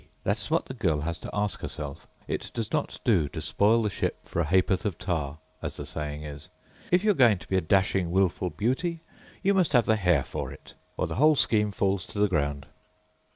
â That is what the girl has got to ask herself. It does not do to spoil the ship for a haâporth of tar, as the saying is. If you are going to be a dashing, wilful beauty, you must have the hair for it, or the whole scheme falls to the ground.